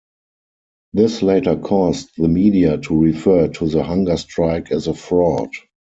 This later caused the media to refer to the hunger strike as a fraud.